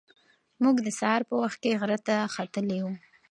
موږ د سهار په وخت کې غره ته ختلي وو.